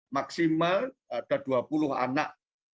maksimal ada dua puluh anak